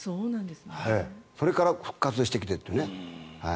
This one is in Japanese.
それから復活してきてというね。